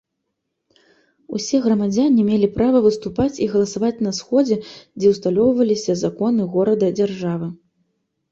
Усе грамадзяне мелі права выступаць і галасаваць на сходзе, дзе ўсталёўваліся законы горада-дзяржавы.